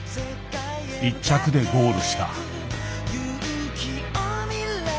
１着でゴールした。